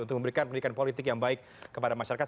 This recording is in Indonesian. untuk memberikan pendidikan politik yang baik kepada masyarakat